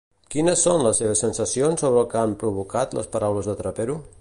Quines són les seves sensacions sobre el que han provocat les paraules de Trapero?